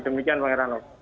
demikian pak irhano